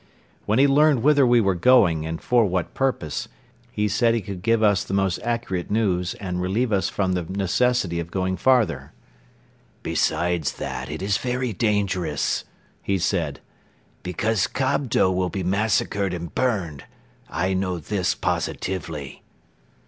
When he learned whither we were going and for what purpose, he said he could give us the most accurate news and relieve us from the necessity of going farther. "Besides that, it is very dangerous," he said, "because Kobdo will be massacred and burned. I know this positively."